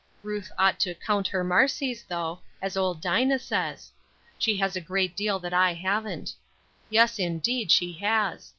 Ruth ought to 'count her marcies,' though, as old Dinah says. She has a great deal that I haven't. Yes, indeed, she has!